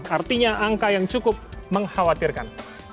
artinya angka yang cukup mengkhawatirkan